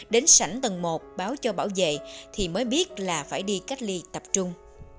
đến sảnh tầng một báo cho bảo vệ thì mới biết là phải đi cách ly tập trung